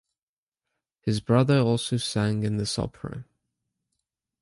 His brother also sang in this opera.